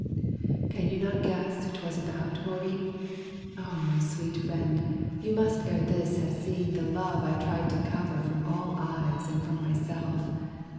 "Can you not guess who 'twas about, Maurine? Oh, my sweet friend! you must ere this have seen The love I tried to cover from all eyes And from myself.